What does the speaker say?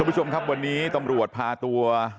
คุณผู้ชมครับวันนี้ตำรวจพาตัว